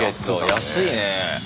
安いね。